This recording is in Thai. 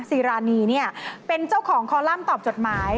ซีรานีเนี่ยเป็นเจ้าของคอลัมป์ตอบจดหมาย